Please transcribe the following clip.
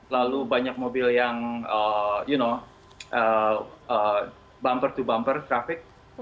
lalu banyak mobil yang bumper to bumper traffic